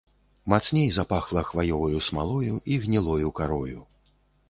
Мацней запахла хваёваю смалою і гнілою карою.